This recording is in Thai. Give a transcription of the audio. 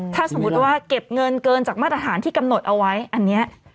ถ้าสมมุติว่าเก็บเงินเกินจากมาตรฐานที่กำหนดเอาไว้อันนี้